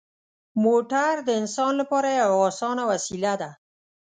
موټر د انسان لپاره یوه اسانه وسیله ده.